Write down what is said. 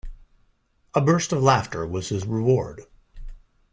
A burst of laughter was his reward.